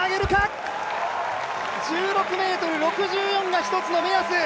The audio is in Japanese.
１６ｍ６４が一つの目安。